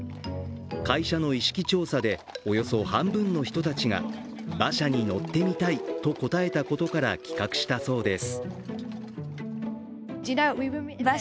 会社の意識調査で、およそ半分の人たちが馬車に乗ってみたいと答えたことから企画したそうです。